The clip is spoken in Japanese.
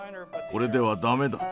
これでは駄目だ。